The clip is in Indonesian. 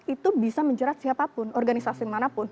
itu bisa menjerat siapapun organisasi manapun